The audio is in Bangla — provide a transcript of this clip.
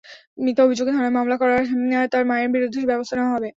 মিথ্যা অভিযোগে থানায় মামলা করায় তার মায়ের বিরুদ্ধে ব্যবস্থা নেওয়া হবে।